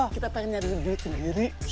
kita pengen nyari duit sendiri